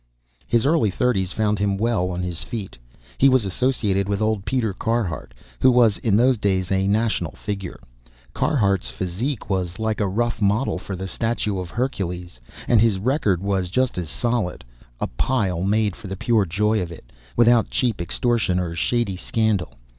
His early thirties found him well on his feet. He was associated with old Peter Carhart, who was in those days a national figure. Carhart's physique was like a rough model for a statue of Hercules, and his record was just as solid a pile made for the pure joy of it, without cheap extortion or shady scandal.